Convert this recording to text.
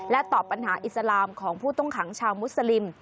ตอบปัญหาอิสลามของผู้ต้องขังชาวมุสลิม